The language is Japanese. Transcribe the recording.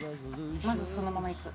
まずそのままいく。